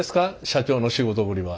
社長の仕事ぶりは。